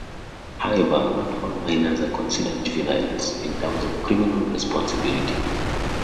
However, not all minors are considered "juveniles" in terms of criminal responsibility.